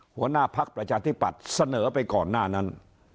หัวหน้าพักประชาธิปัตย์เสนอไปก่อนหน้านั้น